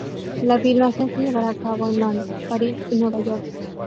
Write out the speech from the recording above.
La filmación se llevará a cabo en Londres, París y Nueva York.